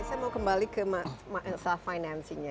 saya mau kembali ke self financing nya